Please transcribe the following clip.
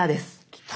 きた。